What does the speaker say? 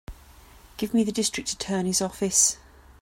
Give me the District Attorney's office.